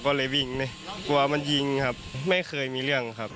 ช่วยไม่ได้มันมีอาวุธครับ